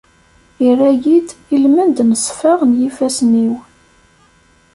Irra-yi-d ilmend n ṣṣfa n yifassen-iw.